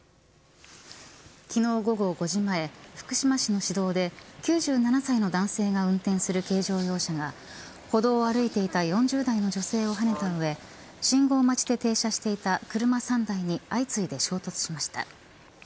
昨日、午後５時前福島市の市道で９７歳の男性が運転する軽乗用車が歩道を歩いていた４０代の女性をはねたうえ信号待ちで停車していた車３台に相次いで衝突しました。